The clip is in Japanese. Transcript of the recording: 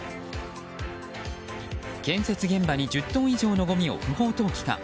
建設現場に１０トン以上のごみを不法投棄か。